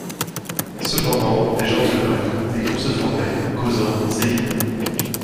Cependant, des gens demeuraient, des groupes se formaient, causant, s'égayant.